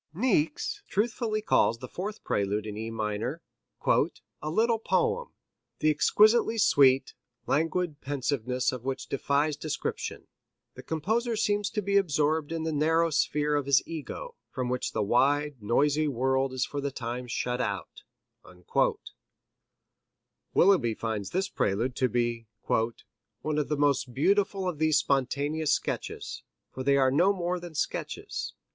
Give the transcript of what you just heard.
Niecks truthfully calls the fourth prelude in E minor "a little poem, the exquisitely sweet, languid pensiveness of which defies description. The composer seems to be absorbed in the narrow sphere of his ego, from which the wide, noisy world is for the time shut out." Willeby finds this prelude to be "one of the most beautiful of these spontaneous sketches; for they are no more than sketches.